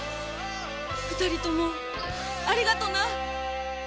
２人ともありがとな！